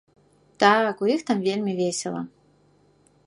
Так, у іх там вельмі весела.